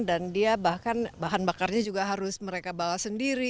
dan dia bahkan bahan bakarnya juga harus mereka bawa sendiri